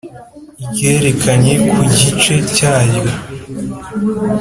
ryerekanwe ku gice cyaryo.